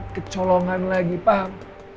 kecolongan lagi paham